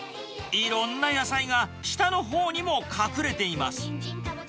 いろんな野菜が下のほうにも隠れています。